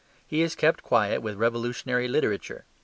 He is kept quiet with revolutionary literature.